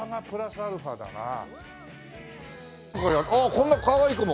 こんなかわいい子も。